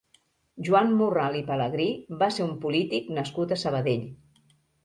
Joan Morral i Pelegrí va ser un polític nascut a Sabadell.